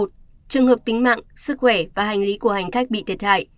trường hợp tính mạng sức khỏe và hành lý của hành khách bị thiệt hại